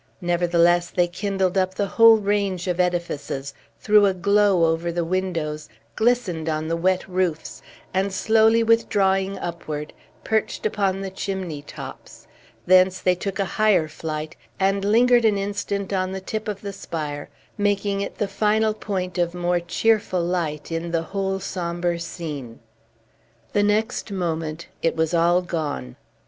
Nevertheless, they kindled up the whole range of edifices, threw a glow over the windows, glistened on the wet roofs, and, slowly withdrawing upward, perched upon the chimney tops; thence they took a higher flight, and lingered an instant on the tip of the spire, making it the final point of more cheerful light in the whole sombre scene. The next moment, it was all gone.